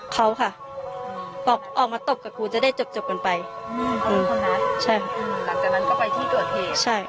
เขาค่ะบอกออกมาตบกับครูจะได้จบกันไปคนนั้นใช่หลังจากนั้นก็ไปที่เกิดเหตุใช่